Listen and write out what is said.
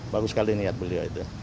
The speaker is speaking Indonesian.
bagus sekali niat beliau itu